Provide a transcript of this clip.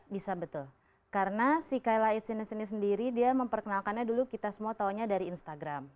bisa betul karena si kylights ini sendiri dia memperkenalkannya dulu kita semua tahunya dari instagram